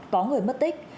có người mất tích